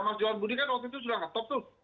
mas johan budi kan waktu itu sudah ngetop tuh